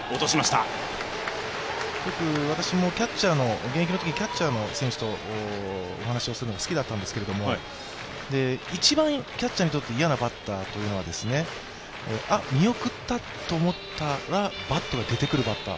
よく私も現役のときにキャッチャーの選手とお話をするのが好きだったんですけど、一番キャッチャーにとって嫌なバッターというのは、あっ、見送ったと思ったらバットが出てくるバッター、